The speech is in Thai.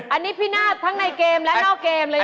อันนี้พินาศทั้งในเกมและนอกเกมเลย